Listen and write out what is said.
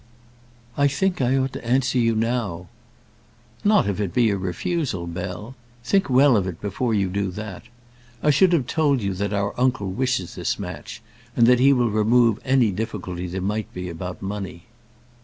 "I think I ought to answer you now." "Not if it be a refusal, Bell. Think well of it before you do that. I should have told you that our uncle wishes this match, and that he will remove any difficulty there might be about money."